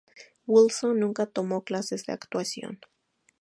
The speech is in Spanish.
Wilson nunca tomó clases de actuación.